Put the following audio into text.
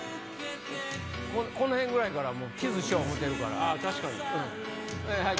この辺ぐらいからキスしよう思うてるから。